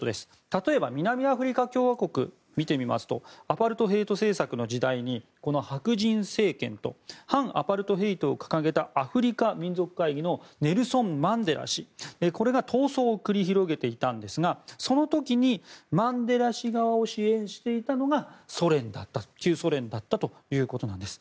例えば、南アフリカ共和国を見てみますとアパルトヘイト政策の時代にこの白人政権と反アパルトヘイトを掲げたアフリカ民族会議のネルソン・マンデラ氏これが闘争を繰り広げていたんですがその時にマンデラ氏側を支援していたのが旧ソ連だったということなんです。